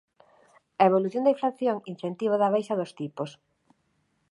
A evolución da inflación, incentivo da baixa dos tipos